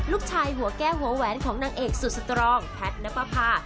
ลูกชายหัวแก้หัวแหวนของนางเอกสุดสตรองแพทนัปพ่า